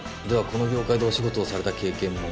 この業界でお仕事をされた経験も。